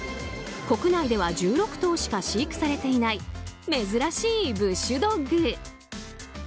国内では１６頭しか飼育されていない珍しいブッシュドッグ。